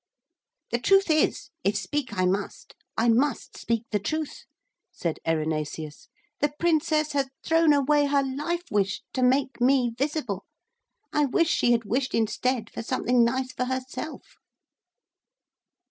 'The truth is, if speak I must, I must speak the truth,' said Erinaceus. 'The Princess has thrown away her life wish to make me visible. I wish she had wished instead for something nice for herself.'